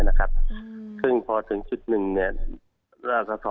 น้ำอุดขัด